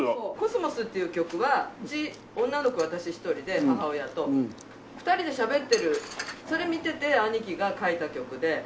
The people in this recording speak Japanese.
『秋桜』っていう曲はうち女の子私１人で母親と２人でしゃべってるそれを見てて兄貴が書いた曲で。